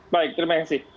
baik terima kasih